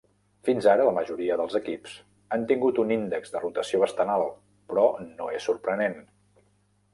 Fins ara, la majoria dels equips han tingut un índex de rotació bastant alt, però no és sorprenent.